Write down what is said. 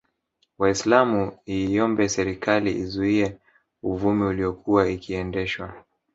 Waislamu iiombe serikali izuie uvumi uliyokuwa ikiendeshwa